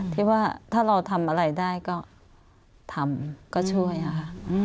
ที่ว่าถ้าเราทำอะไรได้ก็ทำก็ช่วยค่ะ